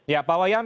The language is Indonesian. ya pak wayan